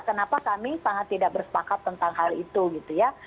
kenapa kami sangat tidak bersepakat tentang hal itu gitu ya